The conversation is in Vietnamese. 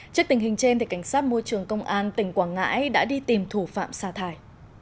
trước tình hình trên cảnh sát môi trường công an tỉnh quảng ngãi đã đi tìm thủ phạm xa thải